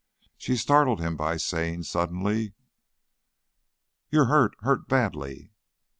She startled him by saying, suddenly: "You're hurt! Hurt badly!"